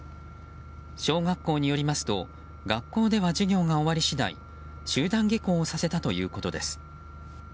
小学校によりますと、学校では授業が終わり次第集団下校をさせたということです。